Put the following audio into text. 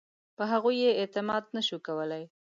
په هغوی یې اعتماد نه شو کولای.